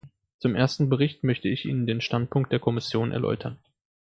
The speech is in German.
Zum ersten Bericht möchte ich Ihnen den Standpunkt der Kommission erläutern.